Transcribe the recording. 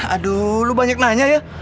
aduh lu banyak nanya ya